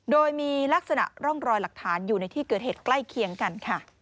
โดยมีลักษณะร่องรอยหลักฐานอยู่ในที่เกิดเหตุใกล้เคียงกันค่ะ